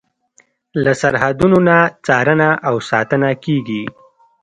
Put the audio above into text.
له سرحدونو نه څارنه او ساتنه کیږي.